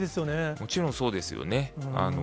もちろんそうですよね。